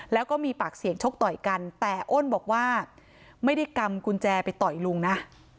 แล้วก็มีปากเสียงชกต่อยกันแต่อ้นบอกว่าไม่ได้กำกุญแจไปต่อยลุงนะ